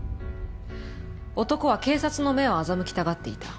男は警察の目を欺きたがっていた。